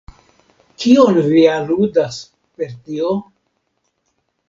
Kion vi aludas per tio?